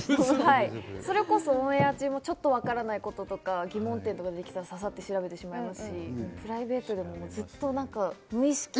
オンエア中もちょっとわからないこととか、疑問点とかできたら、ささっと調べますし、プライベートでも、ずっと無意識に。